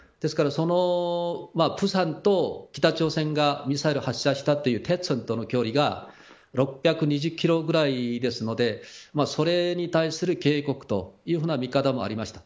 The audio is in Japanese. ですから釜山と北朝鮮がミサイル発射したという場所との距離が６２０キロぐらいですのでそれに対する警告というふうな見方もありました。